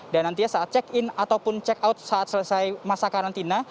dan nantinya saat check in ataupun check out saat selesai masa karantina